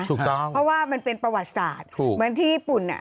ถูกต้องเพราะว่ามันเป็นประวัติศาสตร์ถูกเหมือนที่ญี่ปุ่นอ่ะ